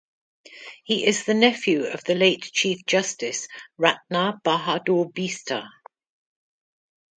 He is the nephew of the late Chief Justice Ratna Bahadur Bista.